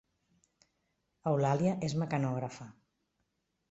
Eulàlia és mecanògrafa